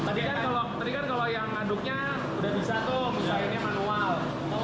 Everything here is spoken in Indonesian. tadi kan kalau yang mengaduknya udah bisa tuh misalnya ini manual